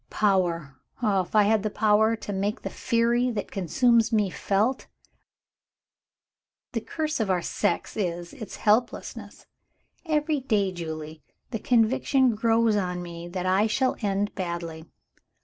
"Power oh, if I had the power to make the fury that consumes me felt! The curse of our sex is its helplessness. Every day, Julie, the conviction grows on me that I shall end badly.